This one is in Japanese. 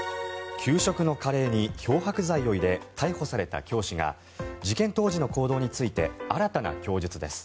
給食のカレーに漂白剤を入れ逮捕された教師が事件当時の行動について新たな供述です。